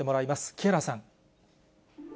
木原さん。